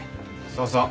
そうそう。